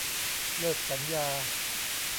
เลิกสัญญา